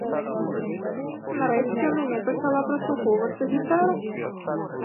Нарэшце, у мяне пачала праслухоўвацца гітара!